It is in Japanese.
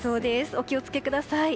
お気をつけください。